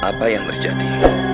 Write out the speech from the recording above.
apa yang berjadi